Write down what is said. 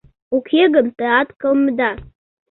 — Уке гын теат кылмеда.